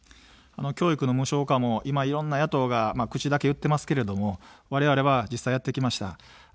教育の無償化も今、いろんな野党が口だけ言ってますけれども、われわれは実際やってきました。